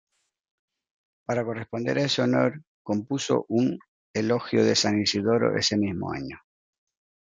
Para corresponder a ese honor compuso un "Elogio de San Isidoro" ese mismo año.